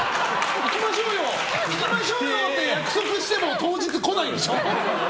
行きましょうよって約束しても当日来ないんでしょ！